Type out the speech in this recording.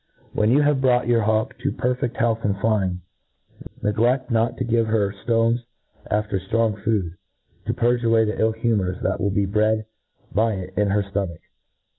"When you have brought your hawk to per fcft health and dying, negled not to give her ftones after ftrong food, to purge away the iff humours that will be bred by it in her fto mach.